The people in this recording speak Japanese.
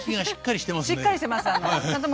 しっかりしてます。